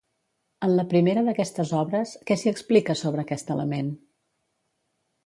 En la primera d'aquestes obres, què s'hi explica sobre aquest element?